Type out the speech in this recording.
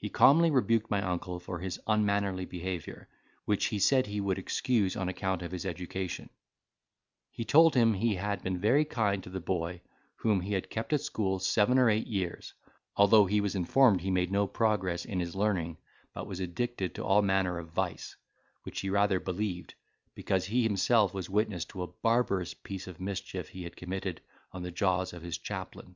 He calmly rebuked my uncle for his unmannerly behaviour, which he said he would excuse on account of his education: he told him he had been very kind to the boy, whom he had kept at school seven or eight years, although he was informed he made no progress in his learning but was addicted to all manner of vice, which he rather believed, because he himself was witness to a barbarous piece of mischief he had committed on the jaws of his chaplain.